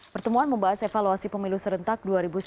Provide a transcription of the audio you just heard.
pertemuan membahas evaluasi pemilu serentak dua ribu sembilan belas